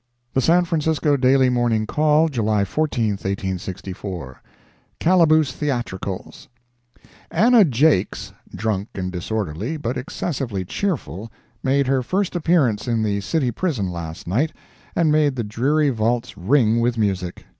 The San Francisco Daily Morning Call, July 14, 1864 CALABOOSE THEATRICALS Anna Jakes, drunk and disorderly, but excessively cheerful, made her first appearance in the City Prison last night, and made the dreary vaults ring with music.